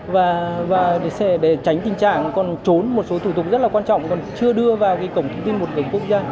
và sẽ để tránh tình trạng còn trốn một số thủ tục rất là quan trọng còn chưa đưa vào cái cổng thông tin một cửa quốc gia